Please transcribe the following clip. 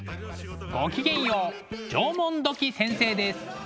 ごきげんよう縄文土器先生です。